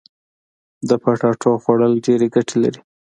د پټاټو خوړل ډيري ګټي لري.